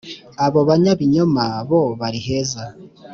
abo banyabinyoma bo bariheza.